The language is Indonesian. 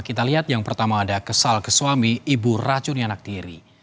kita lihat yang pertama ada kesal ke suami ibu racunnya anak tiri